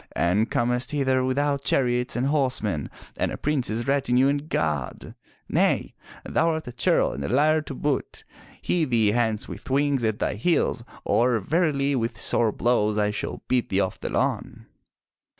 And comest hither without chariots and horsemen, and a prince's retinue and guard! Nay, thou art a churl and a liar to boot. Hie thee hence with wings at thy heels, or verily with sore blows I shall beat thee off the lawn."